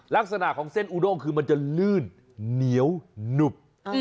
ลักษณะของเส้นอูด้งคือมันจะลื่นเหนียวหนุบ